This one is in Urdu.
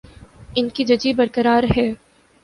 ان کی ججی برقرار ہے۔